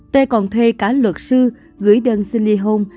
t còn thuê cả luật sư gửi đơn xin ly hôn